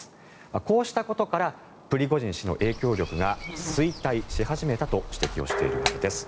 こうしたことからプリゴジン氏の影響力が衰退し始めたと指摘しているわけです。